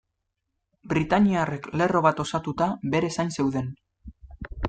Britainiarrek lerro bat osatuta bere zain zeuden.